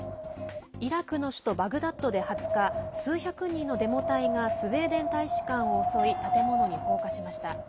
イラクの首都バグダッドで２０日、数百人のデモ隊がスウェーデン大使館を襲い建物に放火しました。